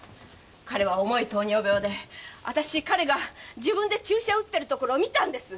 彼は重い糖尿病で私彼が自分で注射を打ってるところ見たんです！